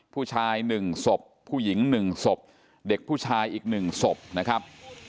ผู้ชาย๑ศพผู้หญิง๑ศพเด็กผู้ชายอีก๑ศพนะครับ